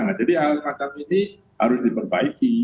nah jadi hal semacam ini harus diperbaiki